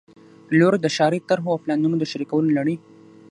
له لوري د ښاري طرحو او پلانونو د شریکولو لړۍ